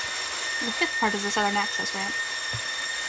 The fifth part is the southern access ramp.